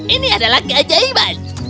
ini adalah keajaiban